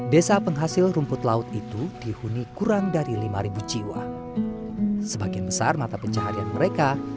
desa penghasil rumput laut itu dihuni kurang dari lima jiwa sebagian besar mata pencaharian mereka